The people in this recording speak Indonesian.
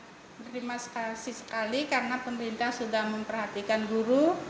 saya sebagai guru sangat terima kasih sekali karena pemerintah sudah memperhatikan guru